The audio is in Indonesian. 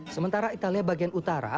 sementara italia bagian utara